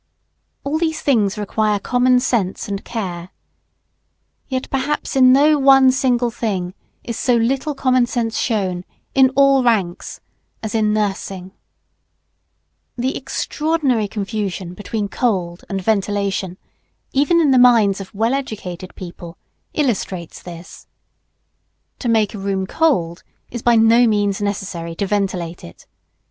All these things require common sense and care. Yet perhaps in no one single thing is so little common sense shown, in all ranks, as in nursing. [Sidenote: Cold air not ventilation, nor fresh air a method of chill.] The extraordinary confusion between cold and ventilation, even in the minds of well educated people, illustrates this. To make a room cold is by no means necessarily to ventilate it.